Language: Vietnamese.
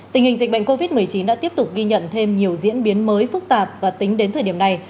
tình hình dịch bệnh covid một mươi chín đã tiếp tục ghi nhận thêm nhiều diễn biến mới phức tạp và tính đến thời điểm này